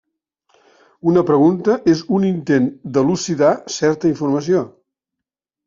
Una pregunta és un intent d'elucidar certa informació.